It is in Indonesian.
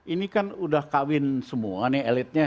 ini kan udah kawin semua nih elitnya